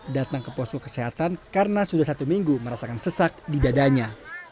datang ke posko kesehatan karena sudah satu minggu merasakan sesak di dadanya